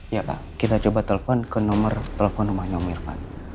ya pak kita coba telpon ke nomor telpon rumahnya om irfan